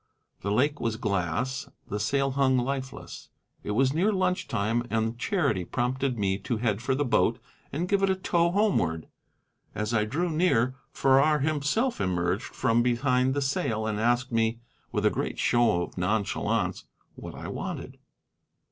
The lake was glass, and the sail hung lifeless. It was near lunch time, and charity prompted me to head for the boat and give it a tow homeward. As I drew near, Farrar himself emerged from behind the sail and asked me, with a great show of nonchalance, what I wanted.